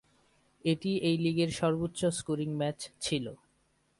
এটি এই লীগের সর্বোচ্চ 'স্কোরিং' ম্যাচ ছিল।